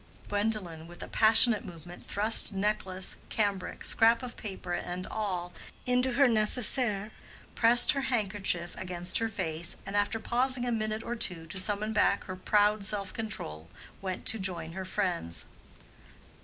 Gwendolen with a passionate movement thrust necklace, cambric, scrap of paper, and all into her nécessaire, pressed her handkerchief against her face, and after pausing a minute or two to summon back her proud self control, went to join her friends.